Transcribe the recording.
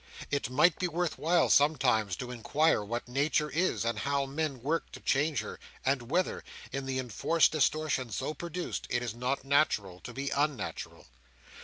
It might be worthwhile, sometimes, to inquire what Nature is, and how men work to change her, and whether, in the enforced distortions so produced, it is not natural to be unnatural.